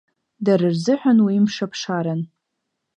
Дара рзыҳәан уи мшаԥшаран.